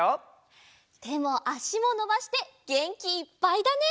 てもあしものばしてげんきいっぱいだね！